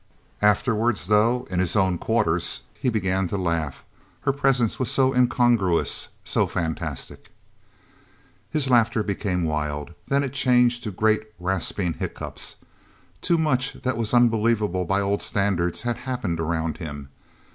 Afterwards, though, in his own quarters, he began to laugh. Her presence was so incongruous, so fantastic... His laughter became wild. Then it changed to great rasping hiccups. Too much that was unbelievable by old standards had happened around him.